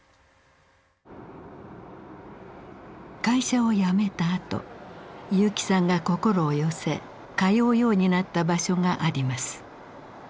会社を辞めたあと結城さんが心を寄せ通うようになった場所があります。